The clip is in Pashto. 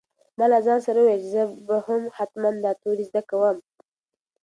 ما له ځان سره وویل چې زه به هم حتماً دا توري زده کوم.